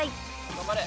・頑張れ。